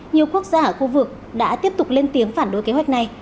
nhiều quốc gia ở khu vực đã tiếp tục lên tiếng phản đối kế hoạch này